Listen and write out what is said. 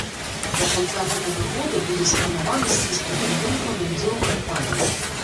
Да канца гэтага года будзе сфармаваны спіс прэтэндэнтаў на ўдзел у кампаніі.